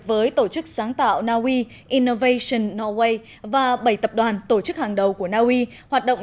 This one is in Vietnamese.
với tổ chức sáng tạo naui innovation huay và bảy tập đoàn tổ chức hàng đầu của naui hoạt động